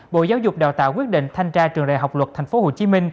bộ giáo dục đào tạo quyết định thanh tra trường đại học luật tp hcm